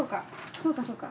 そうかそうか。